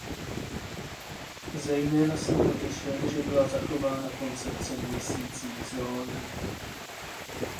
Zejména jsem potěšen, že byla zachována koncepce mísících zón.